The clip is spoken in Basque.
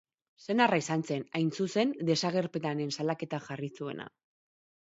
Senarra izan zen, hain zuzen, desagerpenaren salaketa jarri zuena.